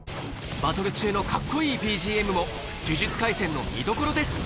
バトル中のカッコいいＢＧＭも「呪術廻戦」の見どころです